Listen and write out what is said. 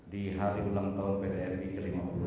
di hari ulang tahun pt ri ke lima puluh enam